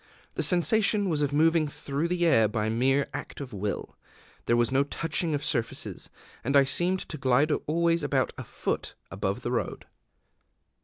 The sensation was of moving through the air by mere act of will: there was no touching of surfaces; and I seemed to glide always about a foot above the road.